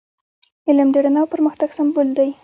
علم د رڼا او پرمختګ سمبول دی.